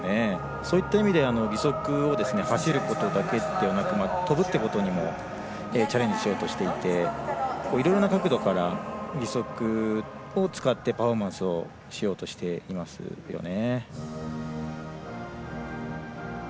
そういった意味で義足を走ることだけではなく跳ぶということにもチャレンジしようとしていていろいろな角度から義足を使ってパフォーマンスをしようとしていますよね。